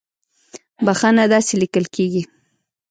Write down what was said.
بخښنه داسې ليکل کېږي